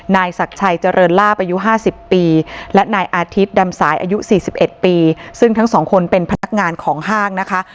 นายศักดิ์ชัยเจริญลาบอายุห้าสิบปีและนายอาทิตย์ดำสายอายุสี่สิบเอ็ดปีซึ่งทั้งสองคนเป็นพนักงานของห้างนะคะ